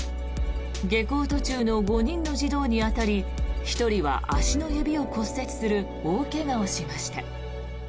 下校途中の５人の児童に当たり１人は足の指を骨折する大怪我をしました。